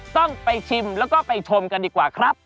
ต้องไปชิมแล้วก็ไปชมกันดีกว่าครับ